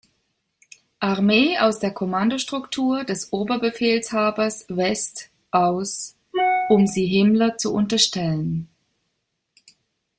Armee aus der Kommandostruktur des Oberbefehlshabers West aus, um sie Himmler zu unterstellen.